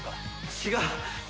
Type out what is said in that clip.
違う！